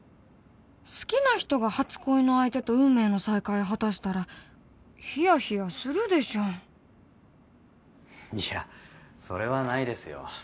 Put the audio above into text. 好きな人が初恋の相手と運命の再会を果たしたらいやそれはないですよ。